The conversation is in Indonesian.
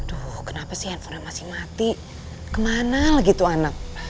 aduh kenapa sih handphonenya masih mati kemana lagi tuh anak